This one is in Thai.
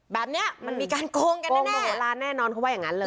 แบบนี้มันมีการโกงกันแน่โหลานแน่นอนเขาว่าอย่างนั้นเลย